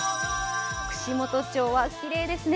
串本町はきれいですね。